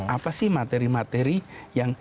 apa sih materi materi yang